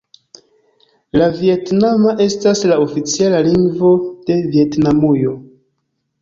La vjetnama estas la oficiala lingvo de Vjetnamujo.